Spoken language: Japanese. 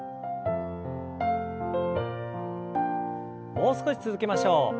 もう少し続けましょう。